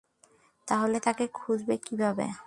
তাহলে তাকে খুঁজবে কীভাবে?